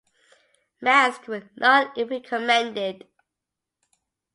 Masks were not even recommended.